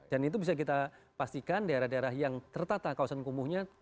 dan itu bisa kita pastikan daerah daerah yang tertata kawasan kumuhnya